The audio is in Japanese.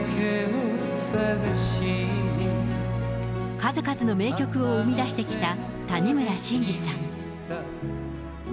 数々の名曲を生み出してきた谷村新司さん。